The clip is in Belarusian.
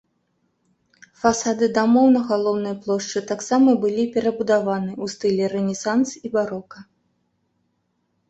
Фасады дамоў на галоўнай плошчы таксама былі перабудаваны ў стылі рэнесанс і барока.